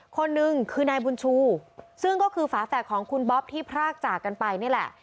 คนหนึ่งคือนายบุญชูซึ่งก็คือฝาแฝดของคุณบ๊อบที่พรากจากกันไปนี่แหละ